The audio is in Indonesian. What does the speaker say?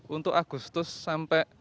untuk agustus sampai